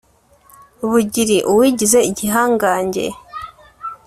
bugiri: uwigize igihangange